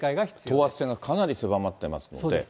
等圧線がかなり狭まってますので。